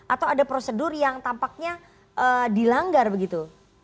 atau ada prosedur yang tampaknya dilanggar begitu